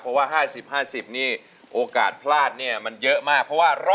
เพราะว่า๕๐๕๐นี่โอกาสพลาดมันเยอะมาก